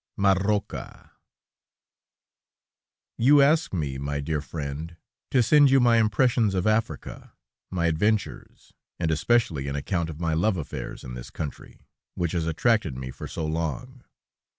MARROCA You ask me, my dear friend, to send you my impressions of Africa, my adventures, and especially an account of my love affairs in this country which has attracted me for so long.